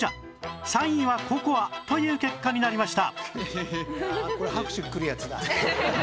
第１位はコーヒーという結果になりました